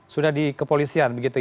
sudah di kepolisian begitu ya